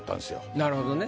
なるほどね。